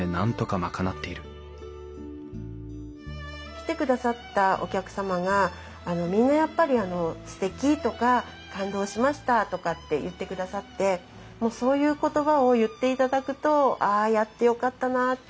来てくださったお客様がみんなやっぱりすてきとか感動しましたとかって言ってくださってそういう言葉を言っていただくとああやってよかったなって